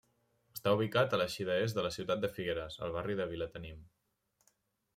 Està ubicat a l'eixida est de la ciutat de Figueres, al barri de Vilatenim.